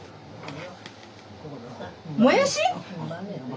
もやし？